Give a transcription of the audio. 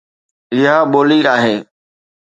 اها ٻولي آهي